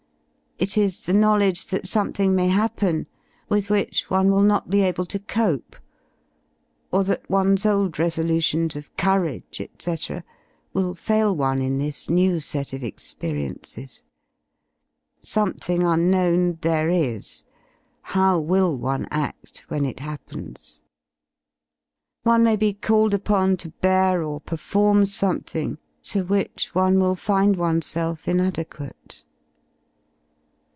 It is the knowledge that something may happen with which one will not be able to cope, or that one's old resolutions of courage, ^c, will fail one in this new set of experiences. Something unknown^ there is. How will one ad when it happens F"^ One mayTe* 68 f called upon to bear or perform something to which one will find oneself inadequate.